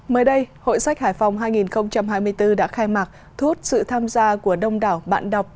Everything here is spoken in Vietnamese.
mới đây hội sách hải phòng hai nghìn hai mươi bốn đã khai mạc thu hút sự tham gia của đông đảo bạn đọc